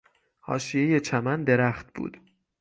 حاشیهی چمن درخت بود.